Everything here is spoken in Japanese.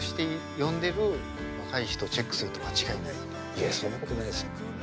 いやそんなことないですよ。